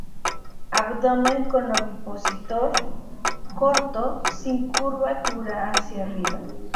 Abdomen con ovipositor corto, sin curvatura hacia arriba.